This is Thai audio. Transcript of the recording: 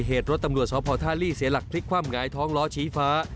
เหตุรถตำรวจสพท่าลี่เสียหลักพลิกคว่ำหงายท้องล้อชี้ฟ้า